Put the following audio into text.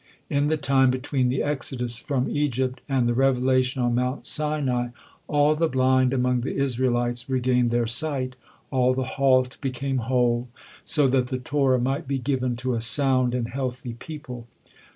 In the time between the exodus from Egypt and the revelation on Mount Sinai, all the blind among the Israelites regained their sight, all the halt became whole, so that the Torah might be given to a sound and healthy people.